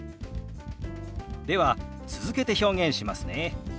では続けて表現しますね。